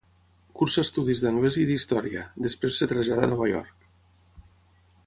Cursa estudis d'anglès i d'història, després es trasllada a Nova York.